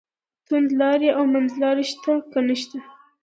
توندلاري او منځلاري شته که نشته.